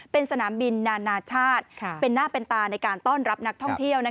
เป็นสนามบินนานาชาติเป็นหน้าเป็นตาในการต้อนรับนักท่องเที่ยว